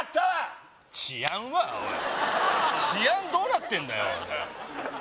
おい治安どうなってんだよ